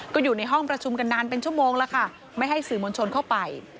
ก็อยู่ในห้องประชุมกันนานเป็นชั่วโมงแล้วค่ะไม่ให้สื่อมวลชนเข้าไป